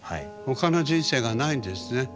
他の人生がないんですね。